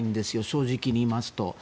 正直に言いますと。